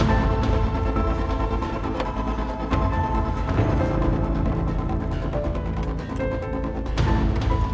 masuk kuliah dulu